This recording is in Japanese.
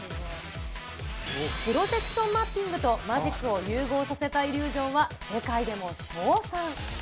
プロジェクションマッピングとマジックを融合させたイリュージョンは、世界でも称賛。